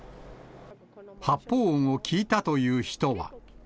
発砲音を聞いたという人は。